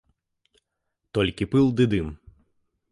Толькі пыл ды дым.